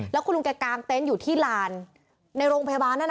แล้วคุณลุงแกกางเต็นต์อยู่ที่ลานในโรงพยาบาลนั่นน่ะ